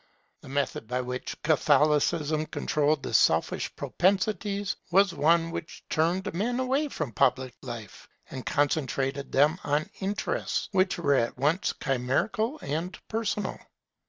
The method by which Catholicism controlled the selfish propensities was one which turned men away from public life, and concentrated them on interests which were at once chimerical and personal.